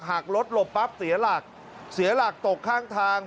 หากรถหลบปั๊บเสียหลักเสียหลักตกข้างทาง